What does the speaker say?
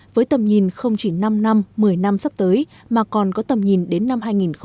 với tầm nhìn không chỉ năm năm một mươi năm sắp tới mà còn có tầm nhìn đến năm hai nghìn bốn mươi